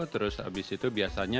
terus abis itu biasanya